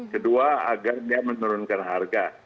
kedua agar dia menurunkan harga